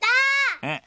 うん。